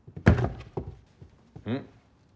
うん？